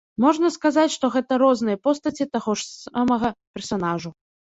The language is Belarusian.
Можна сказаць, што гэта розныя постаці таго ж смага персанажу.